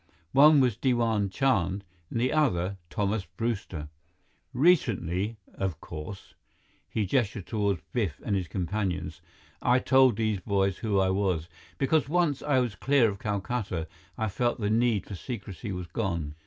One was Diwan Chand; the other, Thomas Brewster. Recently, of course" he gestured toward Biff and his companions "I told these boys who I was, because once I was clear of Calcutta, I felt the need for secrecy was gone.